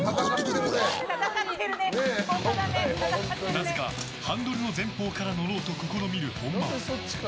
なぜかハンドルの前方から乗ろうと試みる本間。